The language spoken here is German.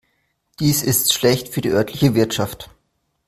Dies ist schlecht für die örtliche Wirtschaft.